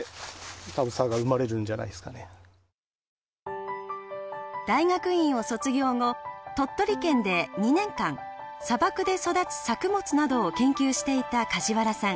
やっぱり大学院を卒業後鳥取県で２年間砂漠で育つ作物などを研究していた梶原さん。